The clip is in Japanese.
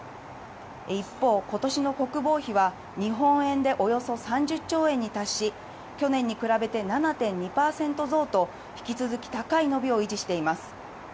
一方、今年の国防費は日本円でおよそ３０兆円に達し、去年に比べて７．２％増と引き続き高い伸びを維持しています。